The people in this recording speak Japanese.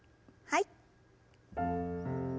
はい。